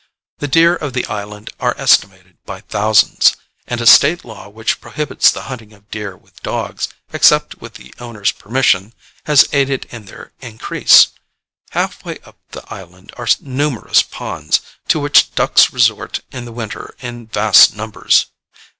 The deer of the island are estimated by thousands, and a State law which prohibits the hunting of deer with dogs, except with the owner's permission, has aided in their increase. Halfway up the island are numerous ponds, to which ducks resort in the winter in vast numbers.